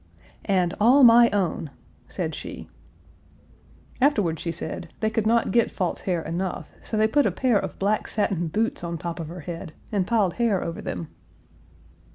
"And all my own," said she. Afterward she said, they could not get false hair enough, so they put a pair of black satin boots on top of her head and piled hair over them.